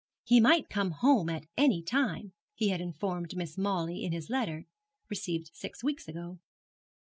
He might come home at any time, he had informed Mrs. Mawley in his last letter, received six weeks ago.